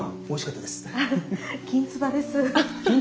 おいしかったです。